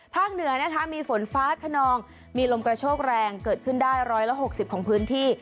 เหนือนะคะมีฝนฟ้าขนองมีลมกระโชกแรงเกิดขึ้นได้๑๖๐ของพื้นที่